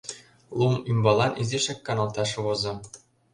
Лум ӱмбалан изишак каналташ возо.